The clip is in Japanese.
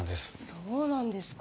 そうなんですか。